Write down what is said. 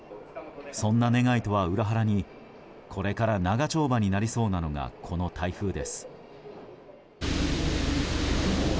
そんな願いとは裏腹にこれから長丁場になりそうなのがこの台風です。